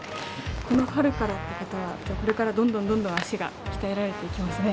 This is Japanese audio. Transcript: この春からってことはこれからどんどんどんどん足が鍛えられていきますね。